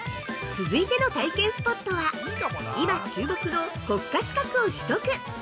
◆続いての体験スポットは今注目の国家資格を取得！